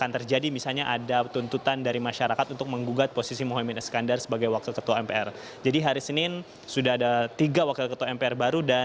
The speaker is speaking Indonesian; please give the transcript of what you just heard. titi soeharto menjawab